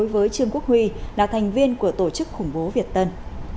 cảm giác đối với trương quốc huy là thành viên của tổ chức khủng bố việt tân